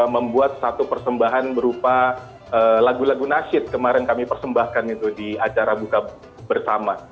membuat satu persembahan berupa lagu lagu nasyid kemarin kami persembahkan itu di acara buka bersama